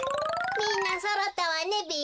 みんなそろったわねべ。